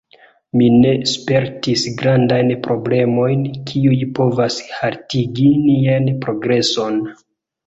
Ni ne spertis grandajn problemojn, kiuj povas haltigi nian progreson